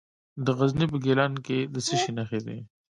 د غزني په ګیلان کې د څه شي نښې دي؟